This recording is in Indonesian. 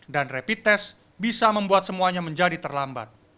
dan rapid test bisa membuat semuanya menjadi terlambat